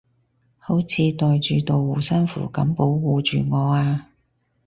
好似袋住道護身符噉保護住我啊